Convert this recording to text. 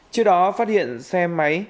trước đó phát hiện xe máy